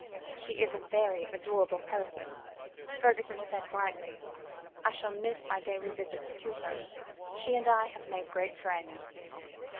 "She is a very adorable person," Fergusson said brightly. "I shall miss my daily visits to her; she and I have made great friends."